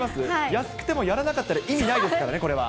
安くてもやらなかったら意味ないですからね、これは。